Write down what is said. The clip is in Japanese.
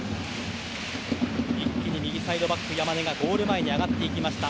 一気に右サイドバックの山根がゴール前に上がりました。